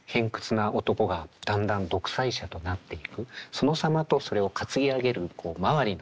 その様とそれを担ぎ上げる周りの熱狂